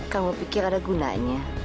kamu pikir ada gunanya